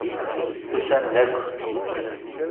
Usan-d akk.